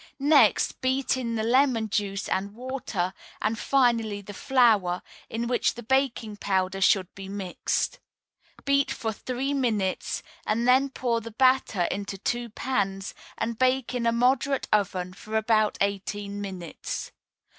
Next beat in the lemon juice and water, and finally the flour, in which the baking powder should be mixed. Beat for three minutes, and then pour the batter into two pans, and bake in a moderate oven for about eighteen minutes.